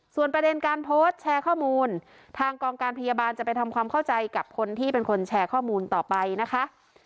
ส่วนประเด็นการโพสต์แชร์ข้อมูลทางกองการพยาบาลจะไปทำความเข้าใจกับคนที่เป็นคนแชร์ข้อมูลต่อไปนะคะ